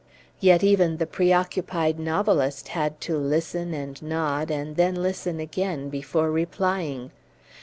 Yet even the preoccupied novelist had to listen and nod, and then listen again, before replying.